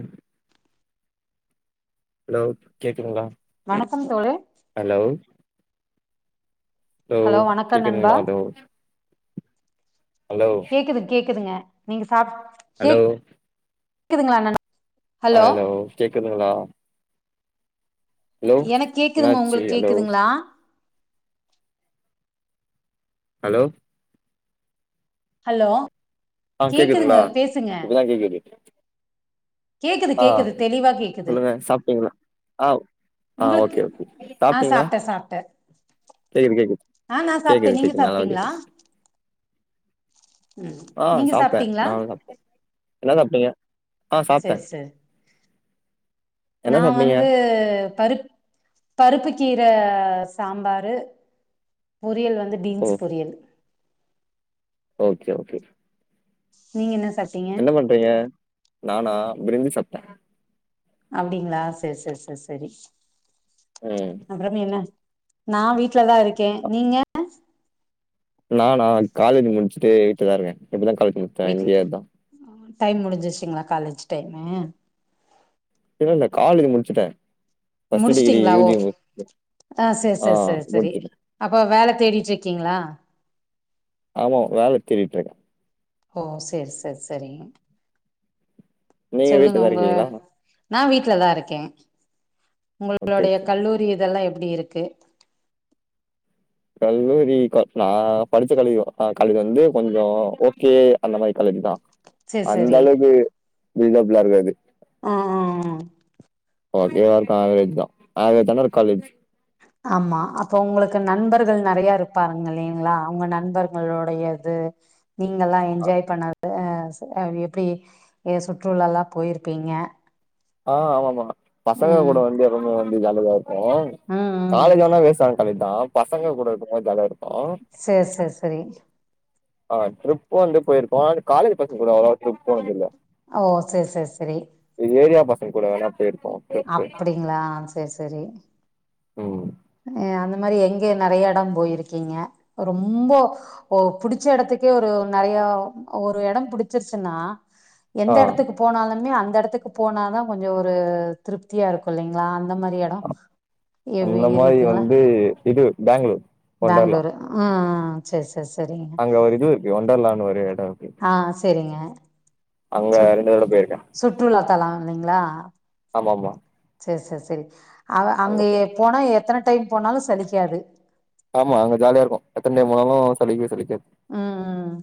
ம் ஹலோ கேக்துங்ளா வணக்கம் தோழர் ஹலோ ஹலோ வணக்கம் நண்பா கேக்துங்கலா டோ கேக்குது கேக்குதுங்க நீங்க சாப்ப ஹலோ க்குதுங்களாண்ணா ஹலோ கேக்குதுங்களா ஹலோ எனக்கு கேக்குதுங்க என்னாச்சு உங்களுக்கு ஹலோ கேக்குதுங்ளா ஹலோ ஹலோ கேக்குதுங்க பேசுங்க ஐய்யய்யய் கேக்குது அ கேக்குது தெளிவா கேக்குது சொல்லுங்க சாப்பிட்டீங்களா அ ஆ உங்களுக்கு ஓகே ஓகே ஆ சாப்பிட்டீங்களா சாப்ட்டே சாப்ட்டே கேக்குது கேக்குது ஆ நா கேக்குது சாப்ட்டே நீங்க கேக்குது நல்லா சாப்ட்டீங்களா கேக்குது ம் ஆ நீங்க சாப்ட்ட சாப்ட்டீங்களா நானு சாப்ட்ட என்னா சாப்டிங்க சேர் சேர் என்ன நா சாப்ட்டீங்க வந்து பருப் பருப்பு கீர சாம்பாரு பொரியல் வந்து ஓ பீன்ஸ் பொரியல் ஓகே ஓகே நீங்க என்ன சாப்டீங்க ஏங்க ரயனன நானா பிரிஞ்ச்சி சாப்ட்ட அப்டிங்களா செரி செரி செரி செரி ம் அப்புறமே என்ன ஆச்சு நான் வீட்லதான் இருக்கேன் நீங்க நான் நா காலேஜ் முடிச்சுட்டு வீட்ல‌தான் இருக்கேன் இப்பதான் காலேஜ் மு வீட்ல டைம் முடிஞ்சிருச்சிங்களா காலேஜ் டைமு இல்ல இல்ல காலேஜ் முடிச்சுட்டேன் ஃபஸ்ட் டிகிரி முடிச்சுட்டீங்களா யூ ஓ ஜி மு அ முடிச்சிட்ட அப்போ வேல தேடிட்டு இருக்கீங்களா ஆமா வேல தேடிட்டு இருக்கேன் ஓ சேர் சேர் சேரி நீங்க சொல்லுங்க வீட்ல தான் அவுங்க இருக்கீங்களா? நான் வீட்ல தான் இருக்கேன் ஓகே உங்களுடைய ஓகே. கல்லூரி இதெல்லாம் எப்டி இருக்கு கல்லூரி க நான் படிச்ச கல்லூரி க கல்லூரி வந்து கொஞ்சோ ஓகே அந்த மாதிரி காலேஜ் தான் சேரி அந்த சேரி அளவுக்கு பில்டப்லா இருக்காது ஆ ஆ ஆ ஓகேவா இருக்கும் ஆவரேஜ் தான் ஆவரேஜ் ஆன ஒரு காலேஜ் ஆமா அப்போ உங்களுக்கு நண்பர்கள் நறையா இருப்பாருங்க இல்லலைங்களா அந்த நண்பர்களுடைய து நீங்க எல்லாம் என்ஜாய் பண்ண அ சே அ எப்டி எ சுற்றுல்லலாம் போய்ருப்பீங்க ஆ ஆமாம்மா பசங்க கூட ம் வந்து எப்பவுமே வந்து ஜாலியா தான் இருக்கும் ம் ம் காலேஜனா வேஸ்தா கரெக்ட் தான் பசங்க கூட இருக்கும்போது ஜாலியா இருக்கும் சேர் சேர் சேரி ஆ ட்ரிப் வந்து போய்ருக்கோ ஆனா காலேஜ் பசங்க கூட அவ்ளோவா ட்ரிப் போனது இல்ல ஓ சேர் சேர் சேரி இந்த ஏரியா பசங்க கூட எல்லாம் போய்ருக்கோம் அப்டிங்களா சேர் சேரி ஒ அ அந்த மாரி எங்கே நறைய இடம் போயிருக்கீங்க ரொம்போ ஓ புடிச்ச இடத்துக்கே ஒரு நறையா ஒரு இடம் புடிச்சிருச்சுன்னா ஆ எந்த இடத்துக்கு போனாலுமே அந்த இடத்துக்கு போனாதான் கொஞ்சோ ஒரு திருப்தியா இருக்கும் இல்லைங்களா அந்த மாரி எடம் எவே இரு இது வந்து இது பெங்களூர் வொண்டர்லா பேங்ளூரு ஆ சேர் சேர் செரிங்க ஒரு இது இருக்கு ஒண்டர்லான்னு ஒரு எடோ இருக்கு ஆ செரிங்க அங்க சுட் ரெண்டு தட போயிருக்க சுற்றுலா தள இல்லைங்ளா ஆமா ஆமா சேர் சேர் செரி அங்க போனா எத்தன டைம் போனாலு சலிக்காது ஆமா அங்க ஜாலியா இருக்கு எத்தன டைம் போனாலு சலிக்கவே சலிக்காது ம் ம்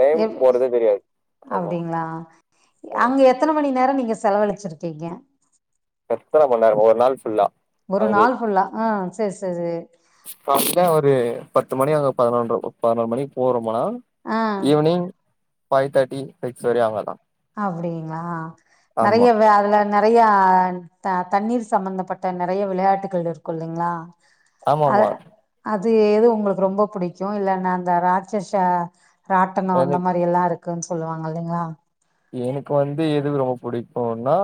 டைம் எப் போறதே தெரியாது அங்க போனா அப்டிங்ளா ம் அங்க எத்தன மணி நேரம் நீங்க செலவழிச்சிருக்கீங்க எத்தன மண் நேரமா ஒரு நாள் ஃபுல்லா ஒரு நாள் ஃபுல்லா ஆ சேர் செரி ஃபஸ்ட்ல ஒரு பத்து மணி அங்க பதினொன்று பதினொரு மணி ஒரு மநோரோ ஆ ஈவினிங் ஃபைவ் தேர்ட்டி சிக்ஸ் வரை அவ்ளதா அப்டிங்ளா நறைய அதுல நறைய தண்ணீர் சம்பந்தப்பட்ட நறைய விளையாட்டுகள் இருக்கும் இல்லைங்ளா ஆமா அது ஆமா அது எது உங்களுக்கு ரொம்ப புடிக்கு இல்லன்ன அந்த ராட்சஷ ராட்டனோ அந்த எனக்கு மாரிலா இருக்குன்னு சொல்லுவாங்க இல்லைங்ளா எனக்கு வந்து எது ரொம்ப புடிக்குனா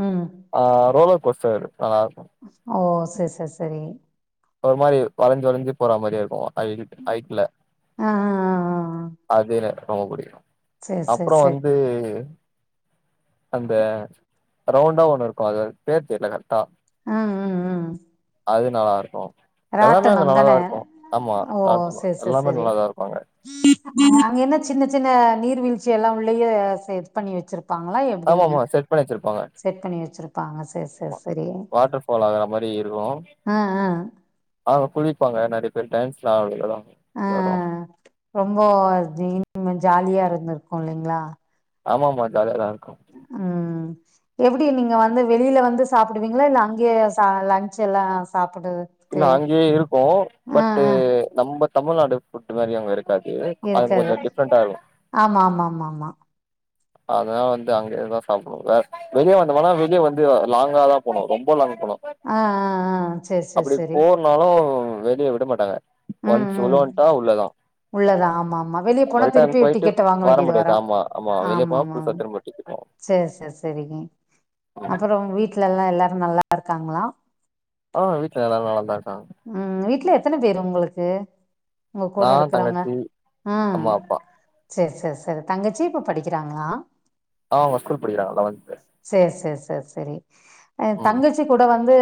ம் ஆ ரோலர் கோஸ்டர் ஆ ஓ செர் செர் செரி ஒரு மாரி வளஞ்சி வளஞ்சி போற மாரியே இருக்கு ஐ ஐட்ல ஆ ஆ ஆ ஆ அது எனக் ரொம்ப புடிக்கு சரி சரி அப்ற சரி வந்து அந்த ரவுண்டா ஒண்ணு இருக்கு அது பேர் தெர்ல கரெக்டா ம் ம் ம் அது நல்லாருக்கு எல்லாமே அங்க ராட்டனம் நல்லாதா தானே இருக்கு ஆமா ஓ காட்டு சரி சரி எல்லாமே சரி நல்லாதா இருக்கு அங்க அங்க என்ன சின்ன சின்ன நீர் வீழ்ச்சி எல்லா உள்ளியே இது பண்ணி வச்சிருப் பாங்ளா ஆமா எப்டிங்க ஆமா செட் பண்ணி வச்சிருப்பாங்க செட் பண்ணி வச்சிருப்பாங்க செர் செர் ஆமா செரி வாட்டர் ஃபால் ஆகுற ஆ ஆ ஆ அங் குளிப்பாங்க நறைய பேர் டேன்ஸ்லா ஆடுவாங் ஆ ஆ ஆ ரொம்போ ஜி ஜாலியா இருந்திருக்கு இல்லீங்ளா ஆமா மா ஜாலியா தா இருக்கு ம் எப்டி நீங்க வந்து வெளியில வந்து சாப்பிடுவீங்ளா இல்ல அங்கியே சா லன்ச் எல்லா சாப்புடு இல்ல அங்கியே இருக்கு பட் நம்ம தமிழ்நாடு ஃபுட் மாரி அங்க இரு க்காது அது இருக்காது கொஞ்சோ டிஃப்ரெண்டா இருக்கு ஆமா ஆமா ஆமா ஆமா அதா வந்து அங்கே தா சாப்புடுவோ வேற வெளிய வந்தம்னா வெளிய வந்து லாங்கா தா போணு ரொம்ப லாங் போணு ஆ ஆ ஆ சேரி சேரி அப்டி சேரி போன்னாலு வெளிய விட மாட்டாங்க ம் ஒன்ஸ் உள்ள ம் வன்ட்டா உள்ளதா உள்ளதா ஆமா ஆமா வெளிய போனா திருப்பி ரிட்டன் போய்ட்டு டிக்கெட்ட வாங்க வர வேண்டியது முடியாது வரு ஆமா ஆமா வெளிய போவ புதுசா திரும்ப டிக்கெட் சேர் சேர் செரி வாங்கனு ம் அப்புற உங் வீட்ல எல்லா எல்லாரு நல்லா ருக்காங்ளா ஆ வீட்ல எல்லாரு நல்லா தா இருக்காங்க ம் வீட்ல எத்தன பேரு உங்குளுக்கு உங்க கூட நா இருக்கிறவங்க தங்கச்சி ம் அம்மா அப்பா செரி செரி செரி தங்கச்சி இப்ப படிக்கிறாங்களா ஆ அவங்க ஸ்கூல் படிக்கறாங்க லெவன்த் சேரி சேரி சேரி சேரி ஆ ம் தங்கச் கச்சி கூட வந்து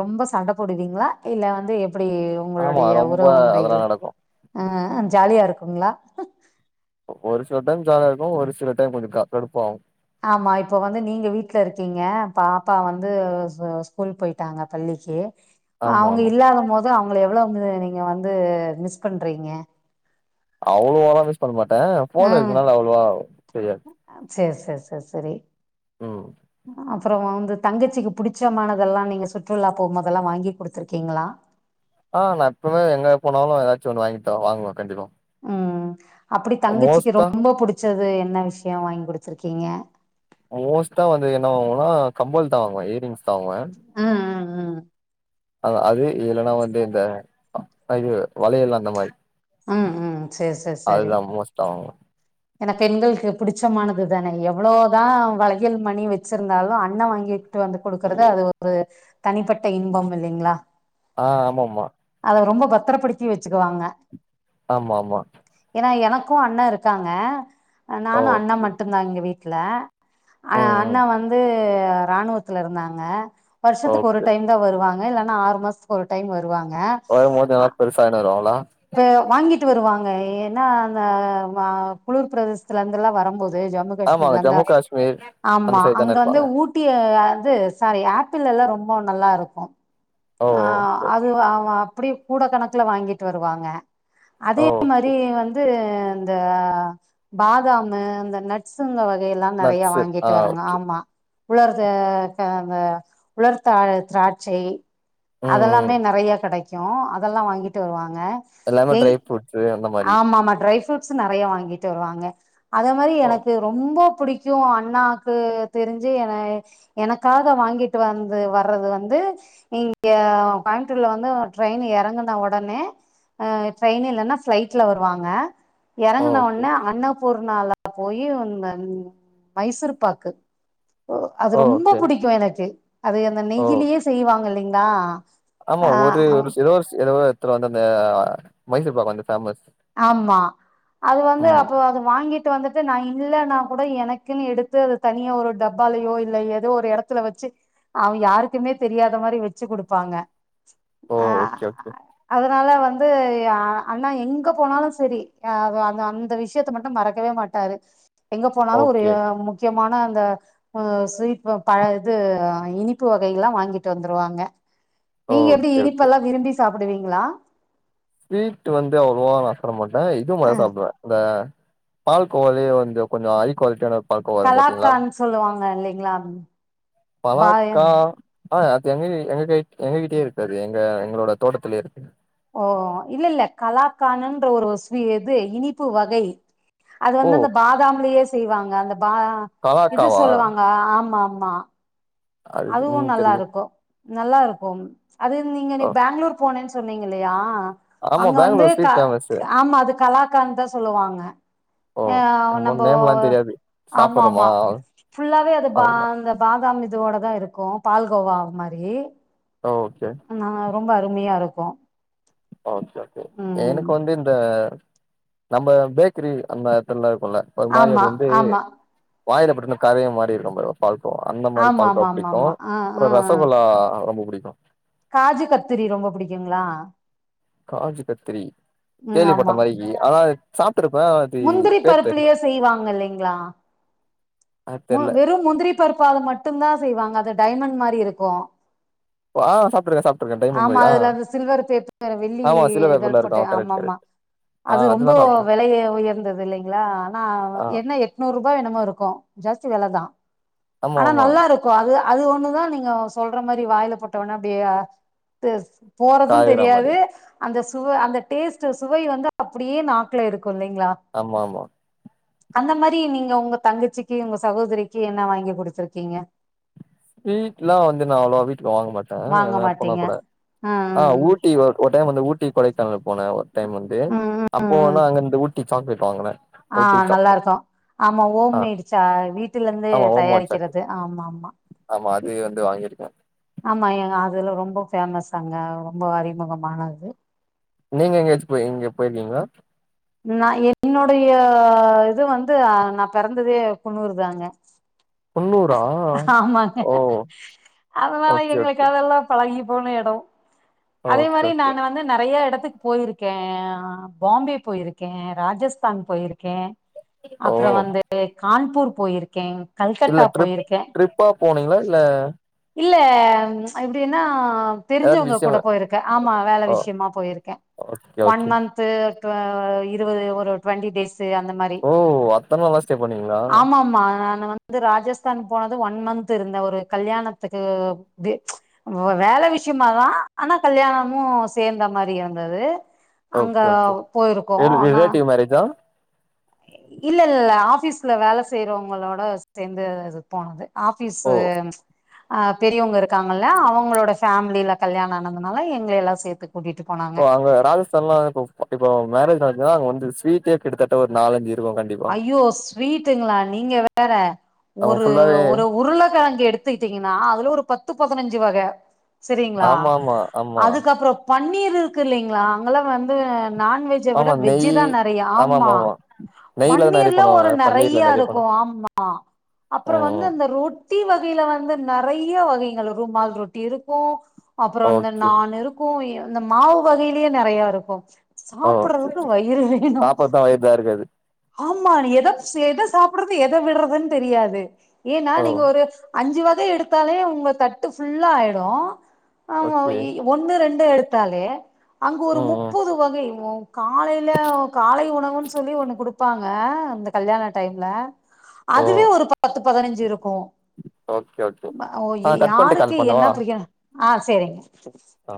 ரொம்ப சண்ட போடுவீங்களா இல்ல வந்து எப்டி ஆமா உங்குளுடைய ரொம்ப உறவு முறைகள் அதெல்லா நடக்கு ஆ ஜாலியா இருக்குங்களா ஒரு சில டைம் ஜாலியா இருக்கு ஒரு சில டைம் கொஞ்சோ க கடுப்பாவு ஆமா இப்ப வந்து நீங்க வீட்ல இருக்கீங்க பாப்பா வந்து ஸ்கூல் போய்ட் டாங்க பள்ளிக்கு ஆமா அவுங்க ஆமா இல்லாத மோது அவுங்ள எவ்வள வந்து நீங்க வந்து மிஸ் பண்றீங்க அவ்ளவால்லா மிஸ் பண்ண மாட்டே ஃபோன் இருக்குனால அவ்ளவா தெரியாது ஆ சேர் சேர் சேர் செரி ம் அப் அப்றோ வந்து தங்கச்சிக்கு புடிச்சமானதெல்லா நீங்க சுற்றுலா போம்மோதெல்லா வாங்கி குடுத்துருக்கீங்களா ஆ நா எப்பமே எங்க போனாலு ஏதாச்சு ஒன்னு வாங்கிட்டு தா வாங்குவே கண்டிப்பா ம் அப்டி தங்கச்சிக்கு மோஸ்ட்டா ரொம்ப புடிச்சது என்ன விஷயோ வாங்கி குடுத்துருக்கீங்க மோஸ்ட்டா வந்து என்ன வாங்குவேனா கம்மல்தா வாங்குவே இயரிங்ஸ்தா வாங்குவே ஆ அதா அது இல்லன்னா வந்து இந்த இது வளையல் அந்த மாரி ம், ம். சரி, சரி, சரி. அதுதா மோஸ்ட்டா வாங்குவே ஏன்னா பெண்கள்க்கு புடிச்சமானது தானே எவ்வளோதா வளையல் மணி வச்சிருந்தாலு அண்ணே வாங்கி கிட்டு வந்து குடுக்கறது அது ஒரு தனிப்பட்ட இன்பம் இல்லிங்ளா ஆ ஆமாம்மா அத ரொம்ப பத்தரப்படுத்தி வச்சிக்குவாங்க ஆமா ஆமா ஏன்னா எனக்கு அண்ணே இருக்காங்க ஓ நானு அண்ணே மட்டுந்தா இங்க வீட் ல ஆ ம் ம் அண்ணா வந்து ராணுவத்துல இருந்தாங்க வருஷத்துக்கு ஒரு ஓகே டைம் தா வருவாங்க இல்லன்னா ஆறு மாசத்துக்கு ஒரு டைம் வருவாங்க வரும்போது எதா பெருசா வாங்கின்னு வருவாங்களா இப்ப வாங்கிட்டு வருவாங்க ஏன்னா அந்த குளுர் பிரதேசத்துல இருந்துல்லா வரும்போது ஜம்மு ஆமாங்க காஷ்மீர்ல அந்த ஜம்மு காஷ்மீர் அந்த ஆமா சைடு தான அங்க வந்து இருப்பாங்க ஊட் டி அது சாரி ஆப்பிள் எல்லா ரொம்ப நல்லா இருக்கு ஓ ஆ ஓகே ஓகே. அது அவ அப்படியே கூட கணக்குல வாங்கிட்டு வருவாங்க ஓ அதே மாரி ஓகே வந் து இந்த பாதாமு அந்த நட்ஸுங்க வகையல்லா நெறையா நட்ஸு ஆ வாங்கிட்டு வருங்க ஓகே ஆமா உலர்த்த ஆ ஆ உலர்த்த திராட்சை ம் ம் அதெல்லாமே நெறையா கெடைக்கு அதெல்லா வாங்கிட்டு வருவாங்க எல்லாமே எய் ட்ரை ஃப்ரூட்ஸு அந்த மாரி ஆமா ஆமா ட்ரை ஃப்ரூட் நட்ஸ் நெறையா வாங்கிட்டு வருவாங்க அதே மாதிரி ஓ எனக்கு ரொம்ப பிடிக் கியூ அண்ணாக்கு தெரிஞ்சு என எனக்காக வாங்கிட்டு வந்து வர்றது வந்து இங் க கோயம்புத்தூர்ல வந்து ட்ரெயின் இறங்குன ஒடனே ஆ ட்ரெயின் இல்லன்னா பிளைட்ல வருவாங்க இறங்குன ஓகே ஒன்ன அன்னப்பூர்ணால அங்க போயி இந்த மைசூரு பாக்கு அது ஓ! ரொம்ப ஓகே புடிக்கு எனக்கு அது அந்த ஓ நெய்யிலயே செய்வாங்க இல்லைங்களா ஆமா ஆ ஒரு ஒருஸ் எதோர்ஸ் எதோ ஒரு எத்துல வந்து அந்த அ மைசூர் பாக்கு வந்து ஃபேமஸ். ஆமா அது வந்து ம் அப்போ அது வாங்கிட் டு வந்துட்டு நா இல்லன்னா கூட எனக்குன்னு எடுத்து அது தனியா ஒரு டப்பாலயோ இல்ல எதோ ஒரு எடத்துல வெச்சி அவ யாருக்குமே தெரியாத மாரி வெச்சு குடுப்பாங்க. ஓ அ‌ ஆயா ஓகே ஓகே அதனால வந்து எ அண்ணா எங்க போனாலு செரி அ க அந்த அந்த விஷ்யத்த மட்டு மறக்கவே மாட்டாரு. எங்க போனாலு ஒரு ஓகே அ முக்கியமான அந்த அ ஸ்வீப்பு பழ இது இனிப்பு வகைகெல்லா வாங்கிட்டு வந்துருவாங்க. நீங்க எப்பிடி ஓகே இனிப் ஓகே பெல்லா விரும்பி சாப்புடுவிங்களா? ஸ்வீட்டு வந்து அவ்ளவா நா சாட மாட்டே இதம்மொ சாப்டுவே இந்த பால் கோவாலியே வந்து கொஞ்சோ ஹைய் குவால்ட்டியான பால்கோவாருக்கும் பாத்திங்ளா? கலாக்கான் சொல்லுவாங்க இல்லைங்களா பாய பழாக்கா அ அது எங்ககி எங்க கைக் எங்க கிட்டியே இருக்கு அது எங்க எங்ளோட தோட்டத்துலியே இருக்குது. ஓ இல்லல்ல கலாக்கானுன்ற ஒருவ ஸ்வீ இது இனிப்பு வகை. அது ஓ வந்து அந்த பாதாம்லியே செய்வாங்க அந்த பாதா இது கலாக்காவா சொல்லுவாங்க ஆ ஆமா ஆமா. அது அதுவு என்னனு தெர்லயே நல்லாருக்கு. நல்லா இருக்கும் அது நீங்க நீ ஓ பேங்ளூர் போனேன் சொன்னீங்க இல்லையா? ஆமா அங்க வந்து பெங்களூர் க ஸ்வீட் ஃபேமஸு க் ஆமா அது கலாக்கான்தா சொல்லுவாங்க. ஓ ய வ் நம்ம நம்போ நேம்லா தெரியாது ஆமா சாப்புட்றோமா ஆமா ஃபுல்லாவே அது பா அவ்ளோதா அந்த பாதாம் இதுவோடதா இருக்கு பால்கோவா மாரி. ஓ ஓகே. அ ரொம்ப அருமையாருக்கு. ஓகே ஓகே எனுக்கு வந்து இந்த நம்ப பேக்கிரி அந்மாரி எத்துல்லா இருக்குல்ல ஒரு மாரி அது ஆமா வந்து ஆமா வாயில பட்டொனே காரையா மாரிருக்கும் பரோ. பால்க் கோவா அந்த மாரி ஆமா பால்க்கா ஆமா ஆமா புடிக்கு ஆமா ஆ ஆ அப்றோ ஆ ரசகுல்லா ரொம்ப புடிக்கு. காஜு கத்திரி ரொம்ப புடிக்குங்ளா? காஜு கத்திரி ம் கேள்விப்பட்ட ஆமா மாரிக்கி ஆனா அது சாப்ட்ருப்பே அது முந்திரி பேர் தெர்ல. பருப்புலயே செய்வாங்க இல்லைங்களா அது மு தெர்ல வெறு முந்திரி பருப்பால மட்டுந்தா செய்வாங்க அது டைமண் மாரி இருக்கு. ஆ சாப்ட்டுருக்கே சாப்ட்டுருக்கே டைமண்ட் ஆமா மாரி ஆ அதுல அந்து சில்வரு பேப் [inaudible] வெள்ளி ஆமா சில்வர் இதல் பேப்பர்ல போட்டு இருக்கு கரெக்ட் ஆம்மாம்மா. கரெக்ட் ஆ அது ரொம்போ அதுதா சாப்ட்டுரு வெலையே உயர்ந்தது இல்லைங்ளா ஆனா வ ஆ என்ன எட் நூர்ருபா என்னமோ இருக்கு ஜாஸ்தி வெலதா ஆமா ஆனா ஆமா நல்லாரு க்கு அது அது ஒண்ணுதா நீங்க சொல்ற மாரி வாய்ல போட்ட ஒனே அப்டியே ட்டுஸ் போறதுந் காய்றா மாரி தெரியாது. அந்த சுவ அந்த டேஸ்ட்டு சுவை வந்து அப்பிடியே நாக்ல இருக்கு இல்லிங்ளா. ஆம்மாமா. அந்த மாரி நீங்க உங்க தங்கச்சிக்கி உங்க சகோதரிக்கி என்ன வாங்கி குடுத்துருக்கீங்க? ஸ்வீட்லா வந்து நா அவ்ளவா வீட்டுக்கு வாங்க மாட்டே வாங்க எங்னா போனா மாட்டீங்க கூட ஆ ம் ஊட்டி வ ஒர் டைம் அந்த ஊட்டி கொடைக்கானல் போனே ஒர் டைம் வந்து ம் ம் ம் அப்போ ம். நா அங்கிந்து ஊட்டி சாக்லேட் வாங்குனே. ஆ ஊட்டி சாக் நல்லா இருக்ககோ ஆமா ஓம் ஆ மேடு சா வீட்டுல இருந்தே ஆமா ஓமோ சாக்லேட் தயாரிக்கிறது ஆமா ஆமா ஆமா அது வந்து வாங்கியிருக்கே ஆமா எங்க அதுல ரொம்ப ஃபேமஸாங்க ரொம்ப அறிமுகமானது நீங்க எங்கேயாச்சு போய் எங்யா போய்ர்க்கிங்ளா? நா என்னுடைய இது வந்து அ நா பெறந்ததே குன்னூர்தாங்க. அ குன்னூரா ஆமாங்க ஓ அதனால ஓகே எங்களுக்கு ஓகே அதெல்லா பழகி போன எடோ அதே ஓகே மாரி ஓகே நானு வந்து நறையா எடத்துக்கு போயிருக்கே அ பாம்பே போயிருக்கே ராஜஸ்தான் போயிருக்கே. ஓ அப்புற வந்து கான்பூர் போயிருக்கேங் இல்ல ட்ரிப் ட்ரிப்பா போனீங்களா இல்ல இல்ல எப்டினா ஏதாவது தெரிஞ்சவங்க கூட விஷயமா போயிருக்கே ஆமா வேல ஓ விஷயமா போயிருக்கே ஓகே ஒன் ஓகே மந்த் து இருவது ஒரு டுவெண்டி டேஸு அந்த மார் ரி ஓ அத்தன நாளா ஸ்டே பண்ணீங்களா ஆமா ஆமா நானு வ வந்து ராஜஸ்தான் போனது ஒன் மந்த் இருந்தே ஒரு கல்யாணத்துக்கு ஒ வேல விஷயமாதா ஆனா கல்யாணமு சேந்த மாரி இருந்தது அங்க ஓகே ஓகே போயிரு [unintelligible] ரிலேட்டிவ் மேரேஜா இல்ல இல்ல ஆஃபீஸ்ல வேல செய்யறவங்களோட சேந்து அது போனது ஓ ஆஃபீஸு அ பெரியவங்க இருக்காங்கல்ல அவங்களோட ஃபேமிலில கல்யாணம் ஆனதுனால எங்களள எல்லா சேத்து கூட்டிட்டு போனா இப்போ அங்க ராஜஸ்தான்லா இப்போ இப்போ மேரேஜ் நடந்தா அங்க வந்து ஸ்வீடே கிட்டத்தட்ட ஒரு நாலஞ்சு இருக்கு கண்டிப்பா ஐயோ ஸ்வீட்டுங்களா நீங்க வேற அவ ஒரு ஃபுல்லாவே ஒரு உருளக்கெழங்கு எடு த்துக்குட்டீங்கன்னா அதுல ஒரு பத்து பதினஞ்சு வக சரிங்களா ஆமா ஆமா ஆமா அதுக்கப்புற பன்னீர் இருக்கு இல்லைங்களா அங்கெல்லா வந்து நான்வெஜ்ஜ விட ஆமா நெய் வெஜ் தா நெறயா ஆமா நெய்ல நெறைய பன்னீர்ல பண்ணுவாங்க ஒரு பன்னீர்ல நெறயா நெறைய இருக்கு பண்ண ஆமா அப்புற ம் வந்து ம் அந்த ரூட் ட்டி வகையில வந்து நெறய வகைகள் ரூமால் ரொட்டி இருக்கு அப்புற இந்த ஓகே நான் இருக் கோ இ இந்த மாவு வகையிலயே நெறைய இருக்கு சாப்பிடுறதுக்கு வயிறு வேணு ஆ இதுதா இருக்காது அது ஆமா எத ஸ் சாப்பிடறது எத விடுறதுன்னு தெரியாது ஏன்னா ஓ நீங்க ஒரு அஞ்சு வக எடுத்தாலே உங்க தட்டு ஃபுல்லா ஆயிடு ஆமா ஓகே இ ஒண்ணு ரெண்டு எடுத்தாலே அங்கு ஒரு ம் ம் முப்பது வகை காலையில காலை உணவுன்னு சொல்லி ஒண்ணு குடுப்பாங்க இந்த கல்யாண டைம்ல ஓ அதுவே ஒரு பத்து பதினஞ்சு இருக்கும் ஓகே ஓகே ஓ ஆ கட் பண்ட்டு யாருக்கு கால் என்ன பண்ணவா புடிக்கணு ஆ சேரிங் ஆ